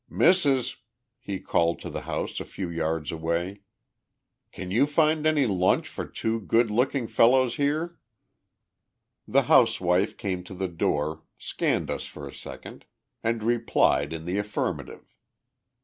"Missus," he called to the house a few yards away, "can you find any lunch for two good looking fellows here?" The housewife came to the door, scanned us for a second, and replied in the affirmative.